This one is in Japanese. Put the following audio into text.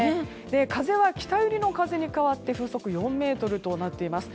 風は北寄りの風に変わって風速４メートルとなっています。